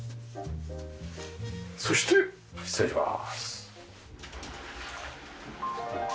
そして失礼します。